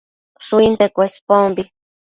Shuinte Cuespombi